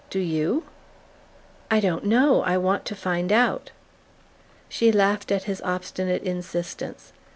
Do YOU?" "I don't know. I want to find out." She laughed at his obstinate insistence.